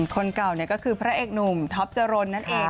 คนเก่าเนี่ยก็คือพระเอกหนุ่มท็อปเจอร์รนนั่นเองค่ะ